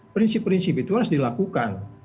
prinsip prinsip itu harus dilakukan